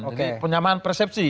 jadi penyamaan persepsi